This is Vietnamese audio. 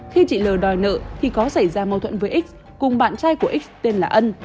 khi chị l đòi nợ thì có xảy ra mâu thuẫn với x cùng bạn trai của x tên là ân